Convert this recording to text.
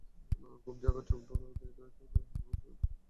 ঘুম জাগা চোখ ঢুলুঢুলু মুখে তোলো হাই, নিঃসঙ্গতায় কাটে প্রহর প্রিয়ার দেখা নাই।